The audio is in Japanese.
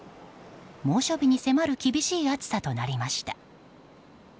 猛暑日に迫る厳しい暑さとなりました。